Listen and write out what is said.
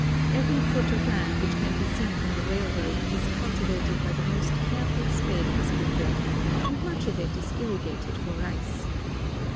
Every foot of land which can be seen from the railroad is cultivated by the most careful spade husbandry, and much of it is irrigated for rice.